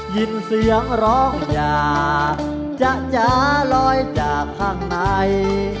ยินเสียงร้องอย่าจ๊ะลอยจากข้างใน